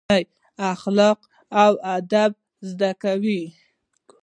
کورنۍ اخلاق او ادب زده کوي.